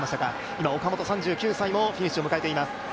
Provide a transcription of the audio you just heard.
今、岡本３９歳もフィニッシュを迎えています。